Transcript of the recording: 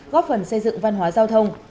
góp phần xây dựng văn hóa giao thông